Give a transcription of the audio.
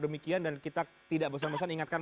demikian dan kita tidak bosan bosan ingatkan